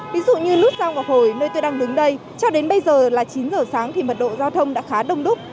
ví dụ như nút giao ngọc hồi nơi tôi đang đứng đây cho đến bây giờ là chín giờ sáng thì mật độ giao thông đã khá đông đúc